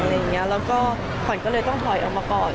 แล้วก็ขวัญก็เลยต้องถอยออกมาก่อน